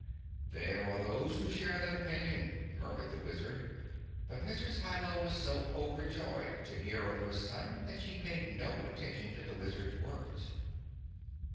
"There are those who share that opinion," murmured the Wizard. But Mrs. Hi Lo was so overjoyed to hear of her son that she paid no attention to the Wizard's words.